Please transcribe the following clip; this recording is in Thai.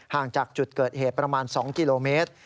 ห่างจากจุดเกิดเหตุประมาณ๒กิโลเมตร